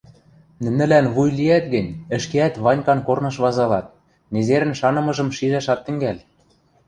— Нӹнӹлӓн вуй лиӓт гӹнь, ӹшкеӓт Ванькан корныш вазалат, незерӹн шанымыжым шижӓш ат тӹнгӓл.